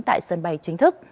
tại sân bay chính thức